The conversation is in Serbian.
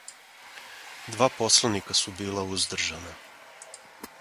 Два посланика су била уздржана.